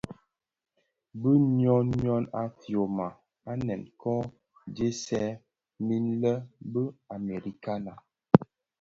Bi ñyon yon a fyoma anèn Kō dhesèè min lè be amerikana,